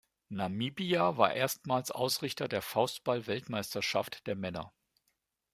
Namibia war erstmals Ausrichter der Faustball-Weltmeisterschaft der Männer.